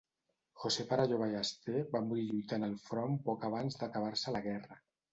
José Perelló Ballester va morir lluitant al front poc abans d'acabar-se la guerra.